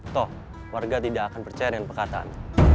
toh warga tidak akan percaya dengan perkataan